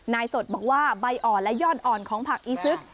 สดบอกว่าใบอ่อนและยอดอ่อนของผักอีซึก